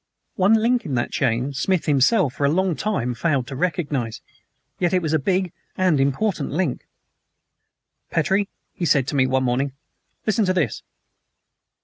One link in that chain Smith himself for long failed to recognize. Yet it was a big and important link. "Petrie," he said to me one morning, "listen to this